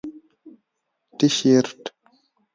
👕 تیشرت